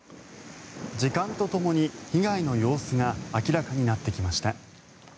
時間とともに被害の様子が明らかになってきました。